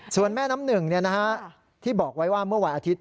ส่วนแม่น้ำหนึ่งที่บอกไว้ว่าเมื่อวันอาทิตย